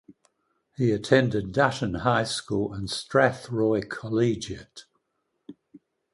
He attended Dutton High School and Strathroy Collegiate.